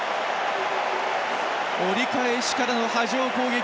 折り返しからの波状攻撃。